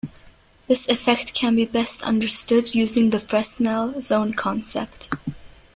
This effect can be best understood using the Fresnel zone concept.